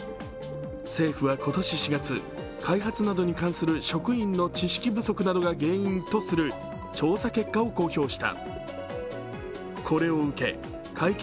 政府は今年４月、開発などに関する職員の知識不足などが原因とする調査結果を公表した。